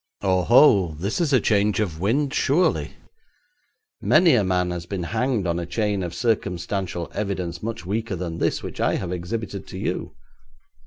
'Oho, this is a change of wind, surely. Many a man has been hanged on a chain of circumstantial evidence much weaker than this which I have exhibited to you.